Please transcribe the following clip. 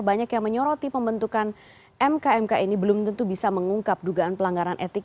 banyak yang menyoroti pembentukan mk mk ini belum tentu bisa mengungkap dugaan pelanggaran etik